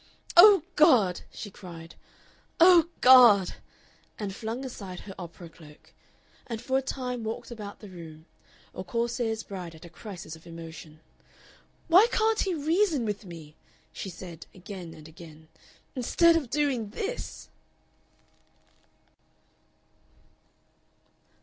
"Oh God!" she cried, "Oh God!" and flung aside her opera cloak, and for a time walked about the room a Corsair's bride at a crisis of emotion. "Why can't he reason with me," she said, again and again, "instead of doing this?"